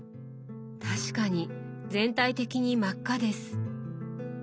確かに全体的に真っ赤です。